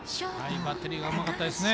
バッテリーがうまかったですね。